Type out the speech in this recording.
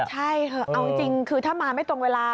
ใช่เถอะเอาจริงคือถ้ามาไม่ตรงเวลา